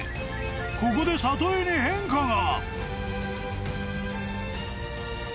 ［ここで里井に変化が］